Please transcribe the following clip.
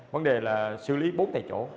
vấn đề là xử lý bốn tại chỗ